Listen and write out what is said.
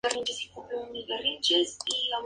La secuela se ata en el Proyecto de la Nueva Era.